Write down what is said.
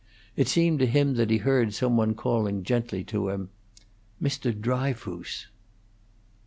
It seemed to him that he heard some one calling gently to him, "Mr. Dryfoos!"